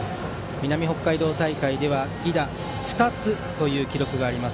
南北海道大会では犠打２つという記録があります